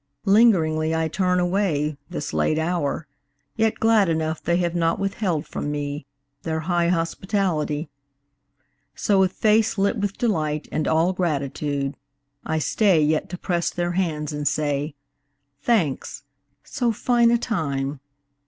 Lingeringly I turn away, This late hour, yet glad enough They have not withheld from me Their high hospitality. So, with face lit with delight And all gratitude, I stay Yet to press their hands and say, "Thanks. So fine a time